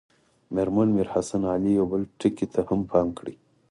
مېرمن میر حسن علي یو بل ټکي ته هم پام کړی.